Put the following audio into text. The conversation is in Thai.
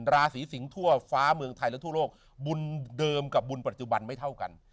ราศีสิงศ์ทั่วฟ้าเมืองไทยและทั่วโลกบุญเดิมกับบุญปัจจุบันไม่เท่ากัน